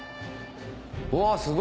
うわすごい！